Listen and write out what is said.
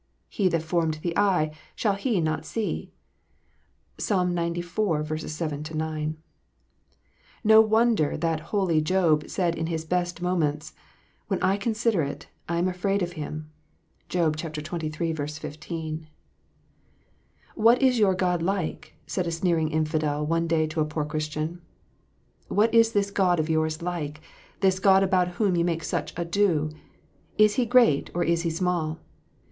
He that formed the eye, shall He not see?" (Psalm xciv. 7 9.) ISTo wonder that holy Job said in his best moments, "When I consider, I am afraid of Him." (Job xxiii. 15.) " What is your God like 1 " said a sneering infidel one day to a poor Christian. " What is this God of yours like : this God about whom you make such ado ? Is He great or is He small